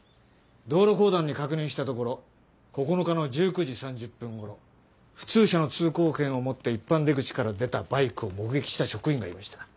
道路公団に確認したところ９日の１９時３０分ごろ普通車の通行券を持って一般出口から出たバイクを目撃した職員がいました。